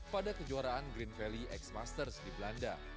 pada kejuaraan green valley x masters di belanda